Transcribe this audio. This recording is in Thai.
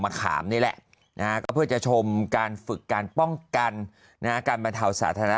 ขามนี่แหละก็เพื่อจะชมการฝึกการป้องกันการบรรเทาสาธารณะ